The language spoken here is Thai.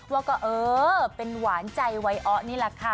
ว่าก็เออเป็นหวานใจวัยอ้อนี่แหละค่ะ